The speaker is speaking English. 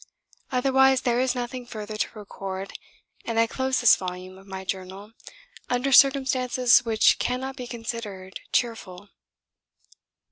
Otherwise there is nothing further to record, and I close this volume of my Journal under circumstances which cannot be considered cheerful.